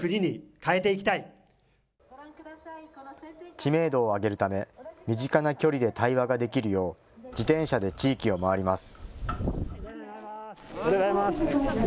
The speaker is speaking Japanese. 知名度を上げるため、身近な距離で対話ができるよう、自転車で地域を回ります。